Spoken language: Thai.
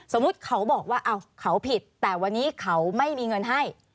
สมมุติเขาบอกว่าเขาผิดแต่วันนี้เขาไม่มีเงินให้